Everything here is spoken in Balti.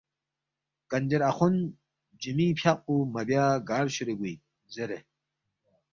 کنجر اخوند جُمعی فیاق پو مہ بیا گار شورے گوے اِن؟ زیرے